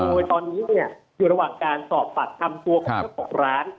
โดยตอนนี้อยู่ระหว่างการสอบตัดถามตัวของทั้ง๒ร้าน